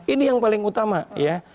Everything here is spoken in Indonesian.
ini yang paling utama ya